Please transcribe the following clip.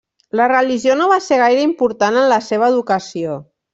La religió no va ser gaire important en la seva educació.